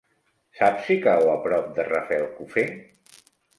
Saps si cau a prop de Rafelcofer?